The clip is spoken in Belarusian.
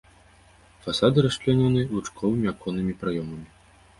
Фасады расчлянёны лучковымі аконнымі праёмамі.